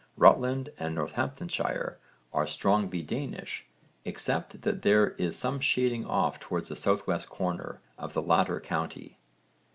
Rutland and Northamptonshire are strongly Danish except that there is some shading off towards the S.W. corner of the latter county.